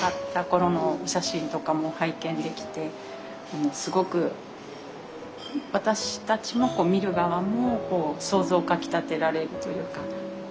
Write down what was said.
頃のお写真とかも拝見できてすごく私たちも見る側も想像かきたてられるというか。